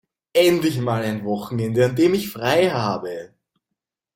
Endlich mal ein Wochenende, an dem ich frei habe!